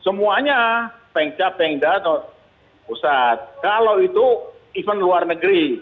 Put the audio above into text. semuanya pengcap pengdat pusat kalau itu event luar negeri